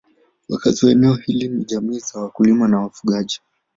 Wakazi wa eneo hili ni jamii za wakulima na wafugaji.